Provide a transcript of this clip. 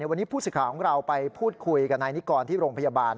วันนี้ผู้สิทธิ์ของเราไปพูดคุยกับนายนิกรที่โรงพยาบาล